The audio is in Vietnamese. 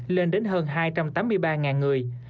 lên đến hơn hai trăm tám mươi ba người